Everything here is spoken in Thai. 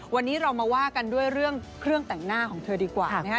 วันนี้เรามาว่ากันด้วยเรื่องเครื่องแต่งหน้าของเธอดีกว่านะฮะ